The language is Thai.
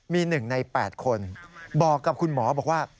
มี๑ใน๘คนบอกกับคุณหมอบอกว่า